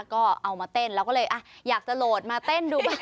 ก็เอามาเต้นเราก็เลยอ่ะอยากจะโหลดมาเต้นดู